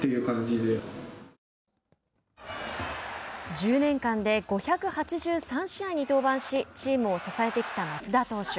１０年間で５８３試合に登板しチームを支えてきた益田投手。